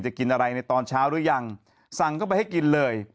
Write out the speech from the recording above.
กินอะไรในตอนเช้าหรือยังสั่งเข้าไปให้กินเลย